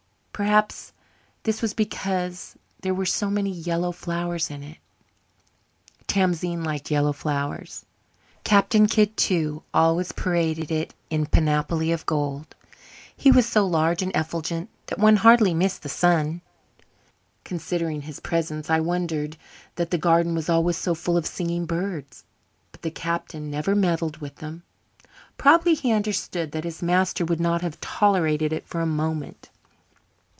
Perhaps this was because there were so many yellow flowers in it. Tamzine liked yellow flowers. Captain Kidd, too, always paraded it in panoply of gold. He was so large and effulgent that one hardly missed the sun. Considering his presence I wondered that the garden was always so full of singing birds. But the Captain never meddled with them. Probably he understood that his master would not have tolerated it for a moment.